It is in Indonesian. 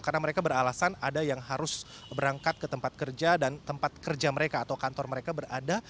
karena mereka beralasan ada yang harus berangkat ke tempat kerja dan tempat kerja mereka atau kantor mereka berada